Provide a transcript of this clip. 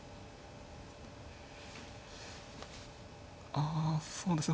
あそうですね